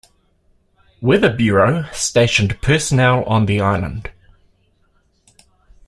Weather Bureau stationed personnel on the island.